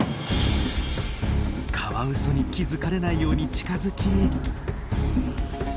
カワウソに気付かれないように近づき。